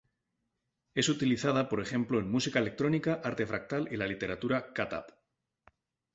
Es utilizada, por ejemplo, en música electrónica, arte fractal y la literatura "cut-up.